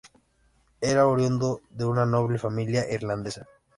Era oriundo de una noble familia irlandesa.